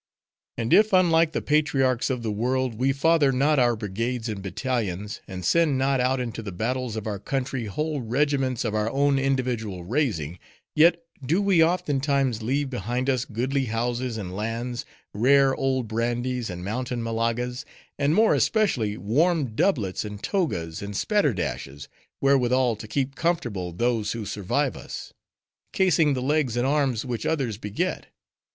And if unlike the patriarchs of the world, we father not our brigades and battalions; and send not out into the battles of our country whole regiments of our own individual raising;—yet do we oftentimes leave behind us goodly houses and lands; rare old brandies and mountain Malagas; and more especially, warm doublets and togas, and spatterdashes, wherewithal to keep comfortable those who survive us;— casing the legs and arms, which others beget.